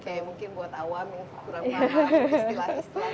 oke mungkin buat awam yang kurang paham istilah istilah ini apa